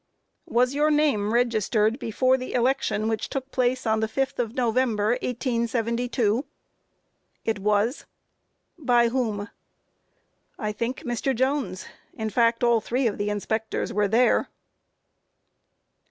Q. Was your name registered before the election which took place on the 5th of November, 1872? A. It was. Q. By whom? A. I think Mr. Jones; in fact, all three of the inspectors were there.